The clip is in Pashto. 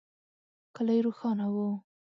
کلی روښانه و.